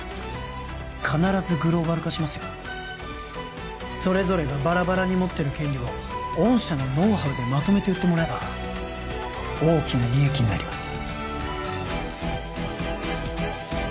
必ずグローバル化しますよそれぞれがバラバラに持ってる権利を御社のノウハウでまとめて売ってもらえば大きな利益になります